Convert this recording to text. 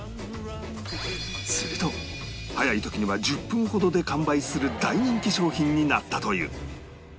すると早い時には１０分ほどで完売する大人気商品になったという